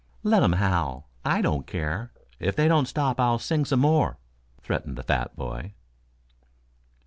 "Let 'em howl. I don't care. If they don't stop I'll sing some more," threatened the fat boy.